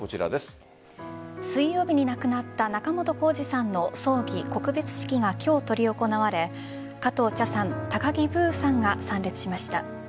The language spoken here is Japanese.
水曜日に亡くなった仲本工事さんの葬儀、告別式が今日、執り行われ加藤茶さん高木ブーさんが参列しました。